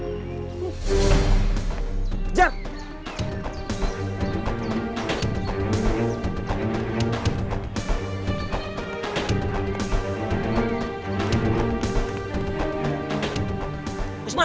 udah di rumah